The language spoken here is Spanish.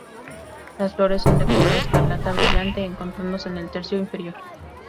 Las flores son de color escarlata brillante encontrándose en el tercio inferior.